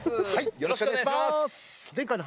よろしくお願いします。